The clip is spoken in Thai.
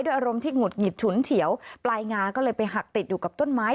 อารมณ์ที่หงุดหงิดฉุนเฉียวปลายงาก็เลยไปหักติดอยู่กับต้นไม้